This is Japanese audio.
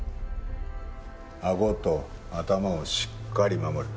あごと頭をしっかり守る。